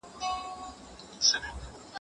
ښځه پر خپل ځان باندي په لګښت باندي مکلفه نده.